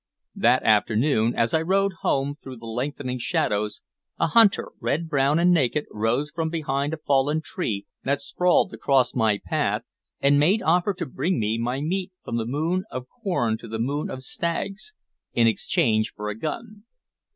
That afternoon, as I rode home through the lengthening shadows, a hunter, red brown and naked, rose from behind a fallen tree that sprawled across my path, and made offer to bring me my meat from the moon of corn to the moon of stags in exchange for a gun.